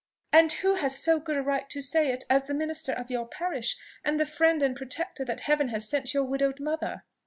"And who has so good a right to say it as the minister of your parish, and the friend and protector that Heaven has sent to your widowed mother?"